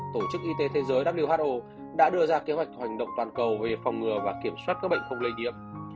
tổ chức y tế thế giới who đã đưa ra kế hoạch hành động toàn cầu về phòng ngừa và kiểm soát các bệnh không lây nhiễm